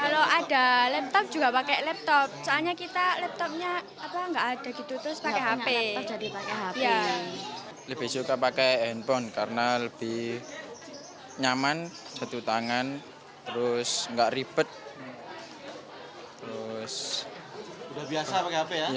lepas itu siswa menggunakan laptop untuk mengenalpukannya